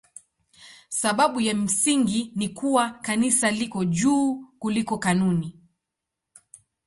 Sababu ya msingi ni kuwa Kanisa liko juu kuliko kanuni.